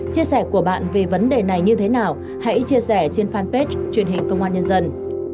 chia sẻ của bạn về vấn đề này như thế nào hãy chia sẻ trên fanpage truyền hình công an nhân dân